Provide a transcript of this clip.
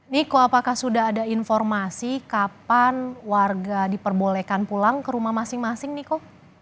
niko apakah sudah ada informasi kapan warga diperbolehkan pulang ke rumah masing masing niko